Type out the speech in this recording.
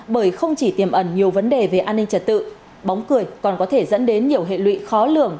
bởi không chỉ tiềm ẩn nhiều vấn đề về an ninh trật tự bóng cười còn có thể dẫn đến nhiều hệ lụy khó lường